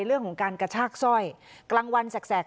เรื่องของการกระชากสร้อยกลางวันแสก